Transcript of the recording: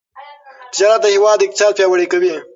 تجارت د هیواد اقتصاد پیاوړی کوي.